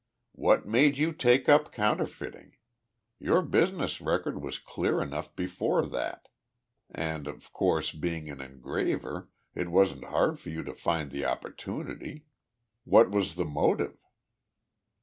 "What made you take up counterfeiting? Your business record was clear enough before that, and, of course, being an engraver, it wasn't hard for you to find the opportunity. What was the motive?"